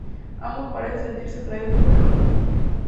Ambos parecen sentirse atraídos por el otro.